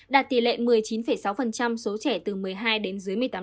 đạt tỷ lệ một mươi chín sáu số trẻ từ một mươi hai đến một mươi hai